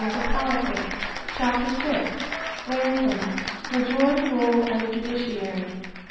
of Politics_, Chap. VI, Ransom, Majority Rule and the Judiciary.